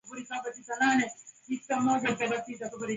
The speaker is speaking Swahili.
Andaa viazi lishe vyenye virutubisho